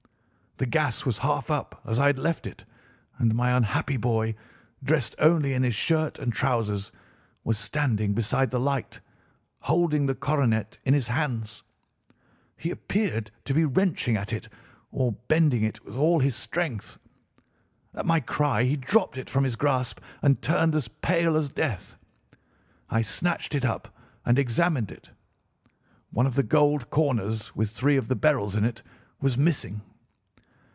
"The gas was half up, as I had left it, and my unhappy boy, dressed only in his shirt and trousers, was standing beside the light, holding the coronet in his hands. He appeared to be wrenching at it, or bending it with all his strength. At my cry he dropped it from his grasp and turned as pale as death. I snatched it up and examined it. One of the gold corners, with three of the beryls in it, was missing.